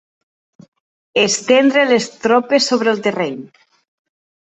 Estendre les tropes sobre el terreny.